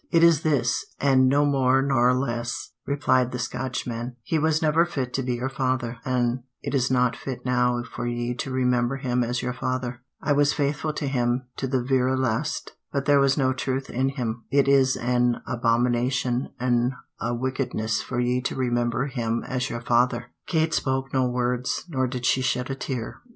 "It is this, an' no more nor less," replied the Scotchman; "he was never fit to be your father, an' it is not fit now for ye to remember him as your father. I was faithful to him to the vera last, but there was no truth in him. It is an abomination an' a wickedness for ye to remember him as your father!" Kate spoke no word, nor did she shed a tear.